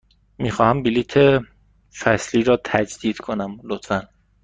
می خواهم بلیط فصلی را تجدید کنم، لطفاً.